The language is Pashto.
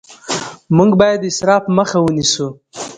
موږ باید د اسراف مخه ونیسو